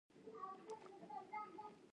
یوازې هڅه وکړه چې ما ودروې